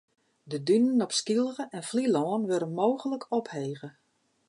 De dunen op Skylge en Flylân wurde mooglik ophege.